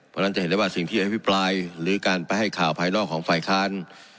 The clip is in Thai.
เพราะฉะนั้นจะเห็นได้ว่าสิ่งที่อภิปรายหรือการไปให้ข่าวภายนอกของฝ่ายค้าน